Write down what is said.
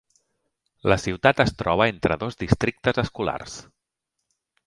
La ciutat es troba entre dos districtes escolars.